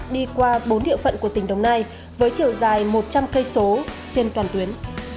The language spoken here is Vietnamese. đi qua bốn địa phận của tỉnh đồng nai với chiều dài một trăm linh km trên toàn tuyến